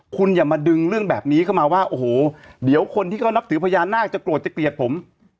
คุณอย่ามาดึงเรื่องแบบนี้เข้ามาว่าโอ้โหเดี๋ยวคนที่เขานับถือพญานาคจะโกรธจะเกลียดผม